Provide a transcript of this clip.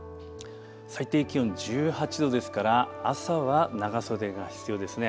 最低気温１８度ですから朝は長袖が必要ですね。